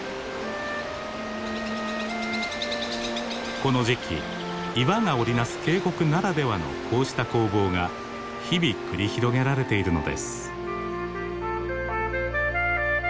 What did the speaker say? この時期岩が織り成す渓谷ならではのこうした攻防が日々繰り広げられているのです。